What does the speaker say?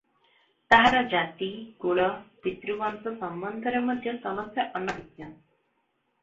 ତାହାର ଜାତି, କୁଳ, ପିତୃ ବଂଶ ସମ୍ବନ୍ଧରେ ମଧ୍ୟ ସମସ୍ତେ ଅନଭିଜ୍ଞ ।